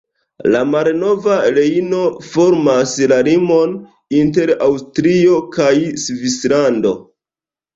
La Malnova Rejno formas la limon inter Aŭstrio kaj Svislando.